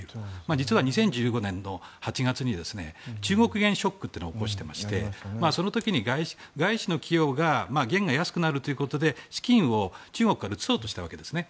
実は２０１５年８月に中国元ショックというのを起こしていましてその時に外資の企業が元が安くなるということで資金を中国から移そうとしたんですね。